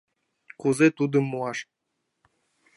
Кузе тудым муаш?